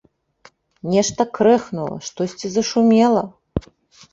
Нешта крэхнула, штосьці зашумела…